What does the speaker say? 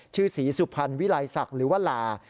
ชื่อศรีสุพรรณวิลัยศักดิ์หรือว่าลา